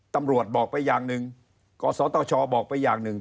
ตำรวจบอกไปอย่างหนึ่งกศตชบอกไปอย่างหนึ่ง